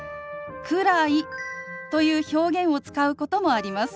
「くらい」という表現を使うこともあります。